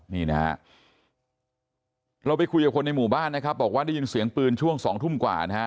นี่นะฮะเราไปคุยกับคนในหมู่บ้านนะครับบอกว่าได้ยินเสียงปืนช่วง๒ทุ่มกว่านะฮะ